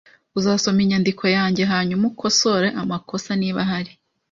Uzasoma inyandiko yanjye hanyuma ukosore amakosa, niba ahari?